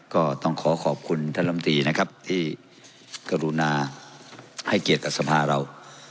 ก็ต้องขอขอบคุณท่านลำตีนะครับที่กรุณาให้เกียรติกับสภาเรา